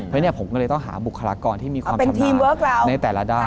เพราะฉะนั้นผมก็เลยต้องหาบุคลากรที่มีความชำนาญในแต่ละด้าน